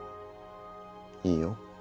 いいよ。